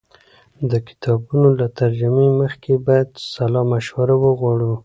د کتابونو له ترجمې مخکې باید سلا مشوره وغواړو.